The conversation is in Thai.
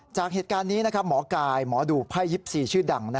จากเหตุการณ์นี้หมอกายหมอดูไพ่๒๔ชื่อดัง